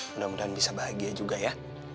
mudah mudahan bisa bahagia juga ya